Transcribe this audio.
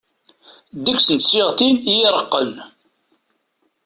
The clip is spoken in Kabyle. Ddegs n tsiɣtin iy iṛeqqen.